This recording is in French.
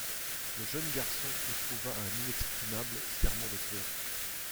Le jeune garçon éprouva un inexprimable serrement de cœur.